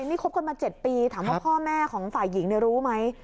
นี่คบกันมา๗ปีถามว่าพ่อแม่ของฝ่ายหญิงรู้ไหม